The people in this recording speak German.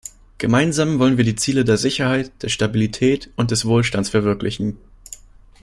Gemeinsam wollen wir die Ziele der Sicherheit, der Stabilität und des Wohlstands verwirklichen.